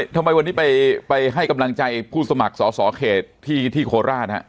ทำไมวันนี้ไปให้กำลังใจผู้สมัครสอสอเขตที่โคราชฮะ